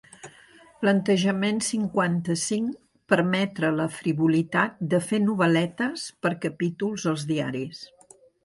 Plantejament cinquanta-cinc permetre la frivolitat de fer novel·letes per capítols als diaris.